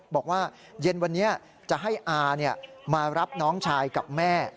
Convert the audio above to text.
บอกว่าเย็นวันนี้จะให้อามารับน้องชายกับแม่